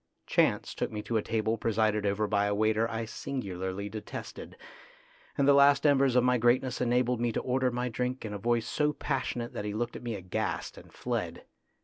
Chance took me to a table presided over by a waiter I singularly detested, and the last embers of my greatness enabled me to order my drink in a voice so passionate that he looked at me aghast and fled.